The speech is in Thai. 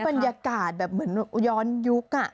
บรรยากาศแบบเหมือนย้อนยุค